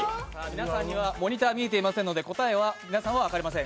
皆さんにはモニター見えていませんので、答えは皆さんにも分かりません。